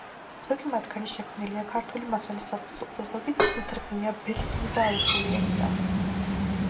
ზოგი მათგანი შექმნილია ქართული მასალის საფუძველზე, ზოგიც ნათარგმნია ბერძნული ან რუსული ენიდან.